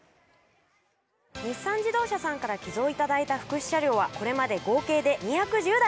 日産自動車さんから寄贈いただいた福祉車両は、これまで合計で２１０台。